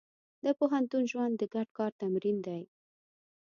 د پوهنتون ژوند د ګډ کار تمرین دی.